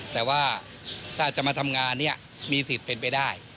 แต่ว่าถ้าจะมาทำงานเนี่ยมีสิทธิ์เป็นไปได้